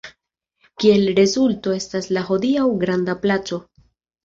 Kiel rezulto estas la hodiaŭa granda placo.